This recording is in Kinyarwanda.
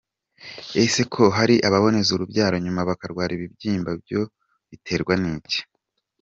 Ese ko hari ababoneza urubyaro nyuma bakarwara ibibyimba byo biterwa n’iki?.